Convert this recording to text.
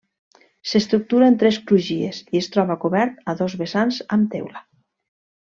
S'estructura en tres crugies i es troba cobert a dos vessants amb teula.